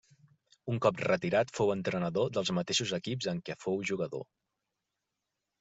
Un cop retirat fou entrenador dels mateixos equips en què fou jugador.